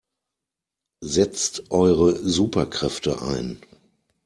Setzt eure Superkräfte ein!